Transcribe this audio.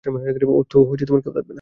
ওর তো কেউ থাকবে না।